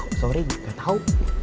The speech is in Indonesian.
maaf nggak tahu